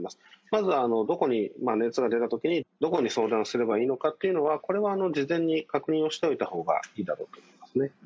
まずはどこに、熱が出たときにどこに相談すればいいのかっていうのは、これは事前に確認をしておいたほうがいいだろうと思いますね。